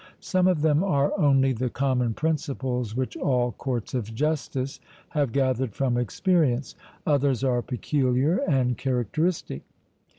Some of them are only the common principles which all courts of justice have gathered from experience; others are peculiar and characteristic.